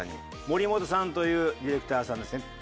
森本さんというディレクターさんですね。